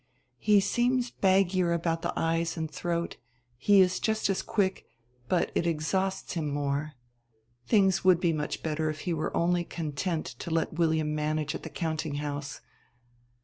"He seems baggier about the eyes and throat. He is just as quick, but it exhausts him more. Things would be much better if he were only content to let William manage at the countinghouse.